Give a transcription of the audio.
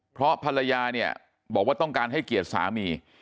เพราะภรรยาเนี่ยบอกว่าต้องการให้เกียรติสามี